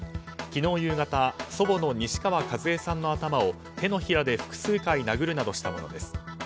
昨日夕方祖母の西川かずゑさんの頭を手のひらで複数回殴るなどしたものです。